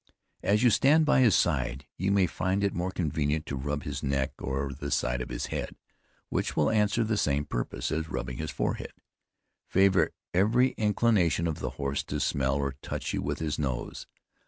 As you stand by his side you may find it more convenient to rub his neck or the side of his head, which will answer the same purpose, as rubbing his forehead. Favor every inclination of the horse to smell or touch you with his nose.